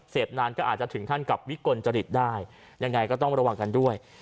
นานก็อาจจะถึงขั้นกับวิกลจริตได้ยังไงก็ต้องระวังกันด้วย